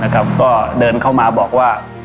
ก็เดินเข้ามาบอกว่า